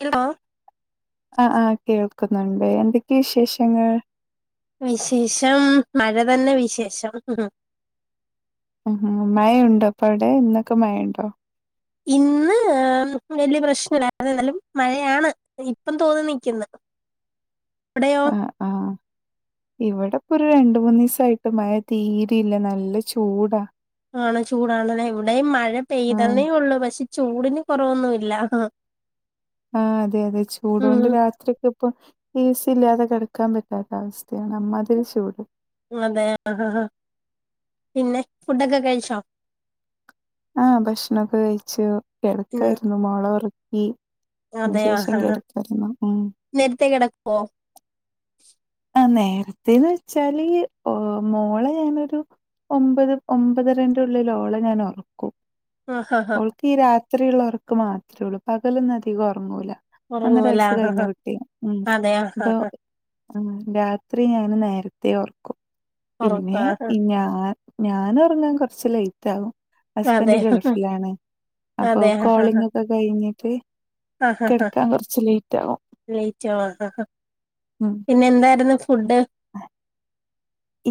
A [inaudible] ആ ആ കേൾക്കുന്നുണ്ട് എന്തൊക്കെ വിശേഷങ്ങൾ വിശേഷം മഴ തന്നെ വിശേഷം ആ മഴയുണ്ടോ അപ്പ അവിടെ ഇന്നൊക്കെ മഴയുണ്ടോ ഇന്ന് ആ വലിയ പ്രശ്നല്ല അത എന്നാലും മഴയാണ് ഇപ്പം തോന്നി നിക്കുന്നത് അവിടെയോ ആഹ് ആഹ് ഇവിടെപ്പൊ ഒരു രണ്ട മൂന്നീസായിട്ട് മഴ തീരിയില്ല നല്ല ചൂടാ ആണോ ചൂടാണല്ലേ ഇവിടെയും മഴ ആഹ് പെയ്തന്നേ ഉള്ളൂ പക്ഷെ ചൂടിന് കുറവൊന്നു ഇല്ല ആഹ് അതെ അതെ ചൂടൊണ്ട് രാ ഉം അക്ക് ഇപ്പ ഏസി ഇല്ലാതെ കിടക്കാൻ പറ്റാത്ത അവസ്ഥയാണ് അമ്മാതിരി ചൂട് അതെ ആപിന്നെ ഫുഡൊക്കെ കഴിച്ചോ ആഹ് ഭക്ഷണക്കെ കഴിച്ചു കെ ഉം ടക്കായിരുന്നു മോളെ ഉറക്കി ശേഷം ശേഷം കിടക്കാരുന്ന മ് നേരത്തെേ കിടക്കോ ആ നേരത്തെേന്ന് വെച്ചാല് മോളെ ഞാനൊരു ഒമ്പത് ഒമ്പതരന്റെ ഉള്ളില് ഓള ഞാൻ ഉറക്കും ആഹാ ഹാ ക്കീ രാത്രി ള്ള ഒർക്ക് മാത്രേ ഉള്ളൂ പകലൊന്നും അധികം ഒറങ്ങൂല ഒന്നര ഉറങ്ങുവല്ല വയസ്സ് ആഹ് കഴിഞ്ഞ ആഹ് കുട്ടി ഉ അതെ ആഹ് അപ്പൊ ആഹ് ആ രാത്രി ഞാന് നേരത്തെേ ർക്കും ഉറക്കം പിന്നെ ആഹ് ഞാൻ ഞാന് ഒറങ്ങാൻ കൊറച്ച് ലേറ്റ് ആകും അതെ ഹസ്ബൻഡ് ഗൾഫിലാണ് അപ്പൊ കോളിംഗ് ഒക്കെ കഴിഞ്ഞിട്ട് ആഹ ഹാ് കിടക്കാൻ കുറച്ച് ലേറ്റ് ആകും ലേറ്റ് ഹഹഹ ഉം പിന്നെ എന്തായിരുന്നു ഫുഡ്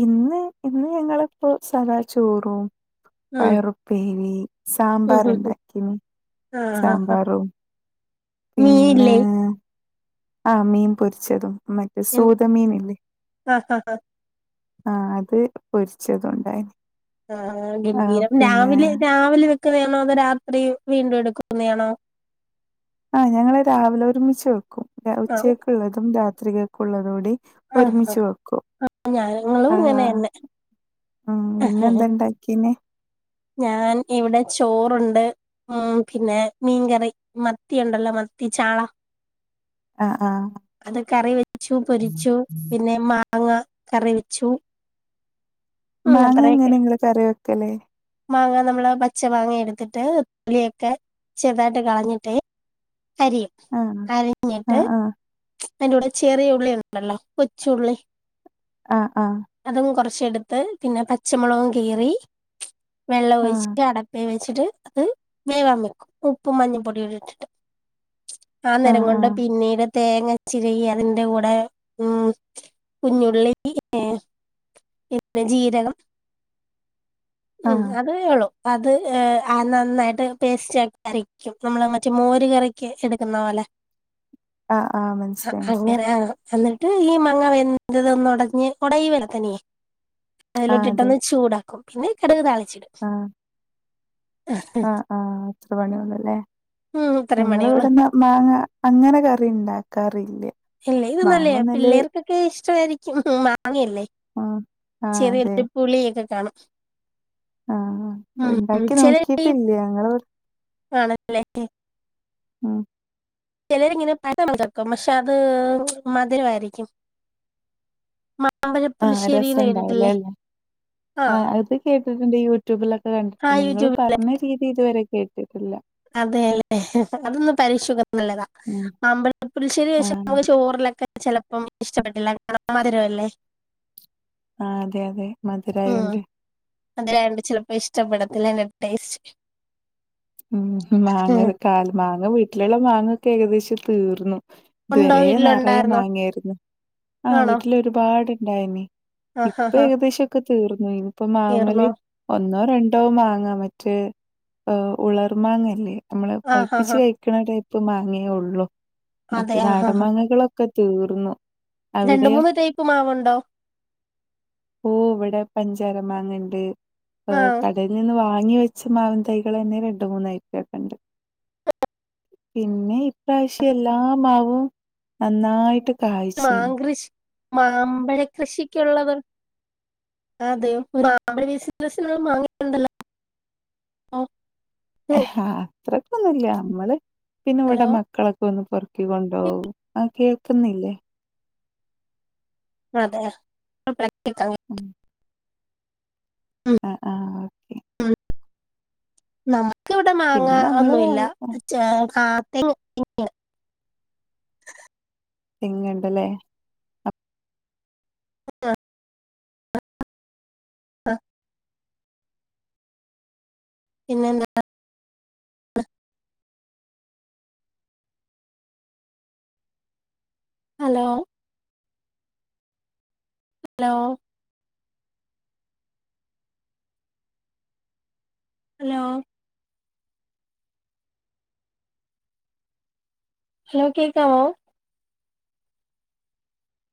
ഇന്ന് ഇന്ന് ഞങ്ങളിപ്പോ സാദാ ചോറും ഉം പയറുപ്പേരിം ഉം ഉം ഉം സാമ്പാറുണ്ടാക്കിനി ആഹ് ആഹ് സാമ്പാറും പിന്നെ മീനില്ലേ ആഹ് മീൻ പൊരിച്ചതും മറ്റേ സൂത മീൻ ഇല്ലേ ആ ആാ ആാ ആഹ അത് പൊരിച്ചതുണ്ടായിന് ആ ആഹ് ഗംഭീരം പിന്നെ രാവിലെ രാവിലെ വെക്കുന്നയാണോ? അതോ രാത്രി വീണ്ടും എടുക്കുന്നതാണോ ആഹ് ഞങ്ങള് രാവിലെ ഒരുമിച്ച് വെക്കും ആഹ് ഉച്ചക്കുള്ളതും രാത്രികൾക്കുള്ളതും കൂടി ആഹ് ഒരുമിച്ച് ആഹ് വെക്കും ഞങ്ങളും ആ ഇങ്ങനെ തന്നെ ഉ പിന്നെന്തണ്ടാ ക്കിന് ഞാൻ ഇവിടെ ചോറുണ്ട് ഉം പിന്നെ മീൻകറി മത്തി ഉണ്ടല്ലോ മത്തി ചാള ആഹ ആഹ അത് കറി വെച്ചു പൊരിച്ചു പിന്നെ മാങ്ങ കറി വെച്ചു ഉം മാങ്ങ എങ്ങനെ അത്രയൊക്കെ നിങ്ങള് കറി വെക്കല് മാങ്ങ നമ്മള് പച്ച മാങ്ങ എടുത്തിട്ട് തൊലിയൊക്കെ ചെറതായിട്ട് കളഞ്ഞിട്ട് അരിയും ആഹ് അരിഞ്ഞിട്ട് ആഹ് അതിന്റെ കൂടെ ചെറിയ ഉള്ളണ്ടല്ലോ കൊച്ചുള്ളി ആഹ് ആഹ അതും കുറച്ചെടുത്ത് പിന്നെ പച്ചമുളകും കീറി വെള്ളം ആഹ് ഒഴിച്ചിട്ട് അടപ്പെ വെച്ചിട്ട് അത് വേവാൻ വെക്കും ഉപ്പും മഞ്ഞപൊടിം കൂടിട്ടിട്ട് ആ ആഹ് നേരം ആഹ് കൊണ്ട് പിന്നീട് തേങ്ങ ചിരീ അതിന്റെ കൂടെ ഉം കുഞ്ഞുള്ളി ഇ ഏ പിന്നേ ജീരകം. ആഹ് ഉം ആഹ് അതെള്ളു. അത് ആ നന്നായിട്ട് പേസ്റ്റ് ആക്കി അരിക്കും നമ്മളാ മറ്റേമോര് കറി ക്ക് എടുക്കുന്നോലെ ആഹ് ആഹ് അ മനസ്സിലായി മനസ്സിലായി അങ്ങനെ- ന്ന്ട്ട് ഈ മാങ്ങ വെന്തെതൊന്ന് ഒടഞ്ഞ് ഒടയോലൊ തനിയേ ആഹ് അതെ അതിലോട്ടിട്ടൊന്ന് ചൂടാക്കും പിന്നെ കട്ക് താളിച്ചിടും. ആഹ് ആഹ് ആഹ് അത്ര പണിയൊള്ളല്ലേ ഉം ഇത്രയും ഞങ്ങളെ പണികള് വിട്ന്നാ മാങ്ങ അങ്ങനെ കറി ണ്ടാക്കാറില്ല. ഇല്ലേ ഇത് ന്നല്ലേയ പിള്ളേർക്കൊക്കെ ഇഷ്ടായിരിക്കും മാങ്ങയല്ലേ? ആഹ് ആഹ് അതെ ചെറിയൊരു പുളിയൊക്കെ കാണും. ആഹ്അ ഉം ഉം ഇണ്ടാക്കി ചിലര് നോക്കിയിട്ടില്ല ഞങ്ങള് ആണല്ലേ ഉം. ചിലരിങ്ങനെ പ [unintelligible] കേക്കും പക്ഷെ അത് മധുരവായിരിക്കും മ ആഹ് രസണ്ടാവുലേ ആഹ് അത് കേട്ടിട്ടുണ്ട് യൂട്യൂബിലൊക്കെ ആഹ് കണ്ടിട്ടുണ്ട് ങ്ങള് യൂട്യൂബിൽ പറഞ്ഞ രീതിതുവരെ കേട്ട് അതെല്ലെ അതൊന്നും ത [unintelligible] ശുഖർന്ള്ളതാ ഉം മാമ്പഴ പുളിശ്ശേരി പക്ഷേ ആഹ് നമക് ചോറിലൊക്കെ ചെലപ്പം ഇഷ്ടപ്പെട്ടില്ല കാരണം മധിരല്ലേ? ആഹ് അതെയതെ ഉം മധുരായോണ്ട്. മധുരായോണ്ട് ചെലപ്പോ ഇഷ്ടപ്പെടത്തില്ല അയ്ന്റെ ടേസ്റ്റ് ഉം മാങ്ങ [unintelligible] ക്ട്ടാൽ മാങ്ങ വീട്ടിലുള്ള മാങ്ങൊക്കെ ഏകദേശം തീർന്നു. ഇത് ഉണ്ടോ വരേ നെറയെ വീട്ടിലുണ്ടായിരുന്നോ മാങ്ങേര്ന്നു ആഹ് ആണോ വീട്ടില് ഒരുപാടുണ്ടായിനി ആഹ് ഇപ്പൊ ആഹ് ആഹ് ഏകദേശൊക്കെ തീർന്നു ഇപ്പോ മാവ്മല് തീർന്നോ ഒന്നോ രണ്ടോ മാങ്ങാ മറ്റേ ഉളർ മാങ്ങല്ലേ? നമ്മള് ആഹ് പഴ്പ്പിച്ച് ആഹ് കഴിക്ക്ണ ടൈപ്പ് മാങ്ങയേ ഉള്ളൂ അതെ മറ്റേ ആഹ് നാടൻ ആഹ് മാങ്ങകളൊ ക്കെ തീർന്നു. രണ്ട് അവിടെയോ? മൂന്ന് ടൈപ്പ് മാവുണ്ടോ? ഓഹ് ഇവടെ പഞ്ചാര മാങ്ങണ്ട് ഏ ആഹ് ക ടേന്ന് വാങ്ങി വെച്ച മാവിൻ തൈകളെന്നെ രണ്ട് മൂന്നായിറ്റൊക്കെണ്ട്. പിന്നെ പ്രാവശ്യം എല്ലാമാവും നന്നായിട്ട് കായ്ച്ച്ണ്. മാംകൃഷി മാമ്പഴ കൃഷിക്ക്ള്ളത് അതെയോ ബിസിനസ്‌ന്ള്ള മാങ്ങയൊക്കെണ്ടല്ലോ ഓ ഹാ അത്രക്കൊന്നുല്ല നമ്മള് പിന്നെ ഇവിടെ ഹലോ മക്കളൊക്കെ ഒന്ന് പൊറ് ക്കി കൊണ്ടോവും ആഹ് കേൾക്കുന്നില്ലേ? അതെയാ പ്ര [unintelligible] ഉം ഉം ഉം... നമക്കിവിട പിന്നെ മാങ്ങാ നമ്മള് ഒന്നുല്ല ചെ കാത്തിനും തെങ്ങ്ണ്ട്ല്ലേ? അതേ [unintelligible] പിന്നെന്തൊക്കയ? ഹലോ ഹലോ ഹലോ ഹലോ കേക്കാവോ?